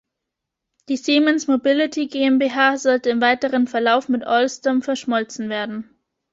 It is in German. Die Siemens Mobility GmbH sollte im weiteren Verlauf mit Alstom verschmolzen werden.